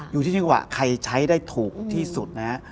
อยู่ที่จังหวะใครใช้ได้ถูกที่สุดนะฮะ